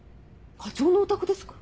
課長のお宅ですか？